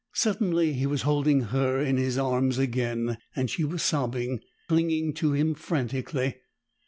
Suddenly he was holding her in his arms again, and she was sobbing, clinging to him frantically.